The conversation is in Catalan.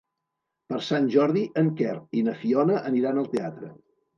Per Sant Jordi en Quer i na Fiona aniran al teatre.